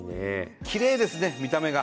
きれいですね見た目が。